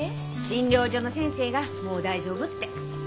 診療所の先生がもう大丈夫って。